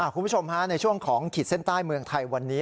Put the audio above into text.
คุณผู้ชมในช่วงของขีดเส้นใต้เมืองไทยวันนี้